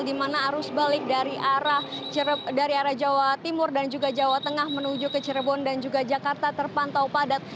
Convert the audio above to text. di mana arus balik dari arah jawa timur dan juga jawa tengah menuju ke cirebon dan juga jakarta terpantau padat